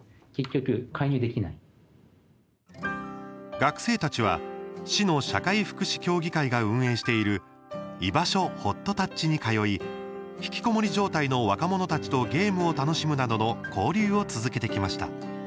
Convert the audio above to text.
学生たちは市の社会福祉協議会が運営している居場所ほっとタッチに通いひきこもり状態の若者たちとゲームを楽しむなどの交流を続けてきました。